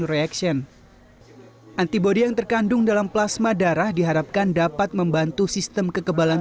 reaction antibody yang terkandung dalam plasma darah diharapkan dapat membantu sistem kekebalan